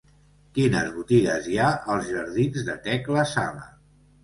Quines botigues hi ha als jardins de Tecla Sala?